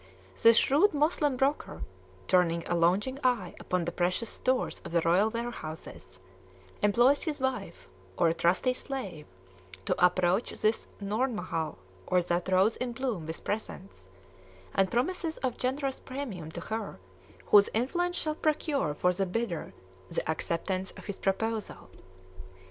The shrewd Moslem broker, turning a longing eye upon the precious stores of the royal warehouses, employs his wife, or a trusty slave, to approach this Nourmahal or that Rose in bloom with presents, and promises of generous premium to her whose influence shall procure for the bidder the acceptance of his proposal.